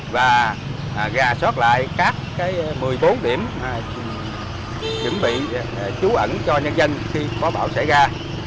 và gà sót lại các một mươi bốn điểm chuẩn bị trú ẩn cho nhân dân khi có bão xảy ra